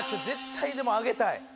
絶対でもあげたい